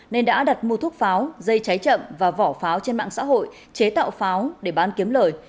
nên đã đặt mua thuốc pháo dây cháy chậm và vỏ pháo trên mạng xã hội chế tạo pháo để bán kiếm lời